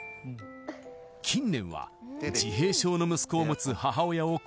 近年は自閉症の息子を持つ母親を好演するなど